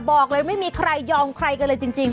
บอกเลยไม่มีใครยอมใครกันเลยจริง